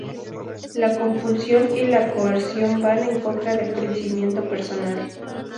La compulsión y la coerción van en contra del crecimiento personal.